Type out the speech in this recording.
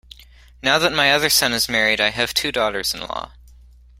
Now that my other son is married I have two daughters-in-law.